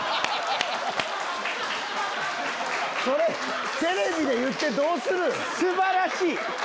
それテレビで言ってどうする⁉素晴らしい！